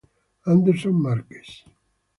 Anderson Marques